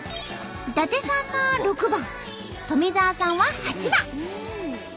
伊達さんが６番富澤さんは８番。